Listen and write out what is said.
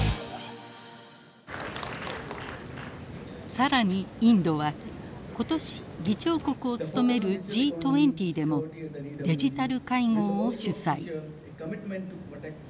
更にインドは今年議長国を務めるＧ２０でもデジタル会合を主催。